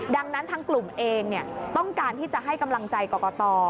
ดังนั้นทางกลุ่มเองต้องการที่จะให้กำลังใจกรกต